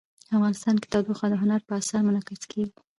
افغانستان کې تودوخه د هنر په اثار کې منعکس کېږي.